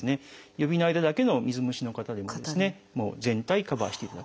指の間だけの水虫の方でも全体カバーしていただく。